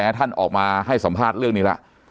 ท่านออกมาให้สัมภาษณ์เรื่องนี้แล้ว